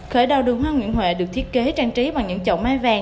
khởi đầu đường hoa nguyễn huệ được thiết kế trang trí bằng những chậu mai vàng